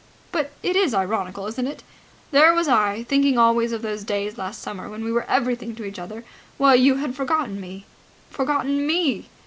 But it is ironical, isn't it! There was I, thinking always of those days last summer when we were everything to each other, while you had forgotten me Forgotten me!"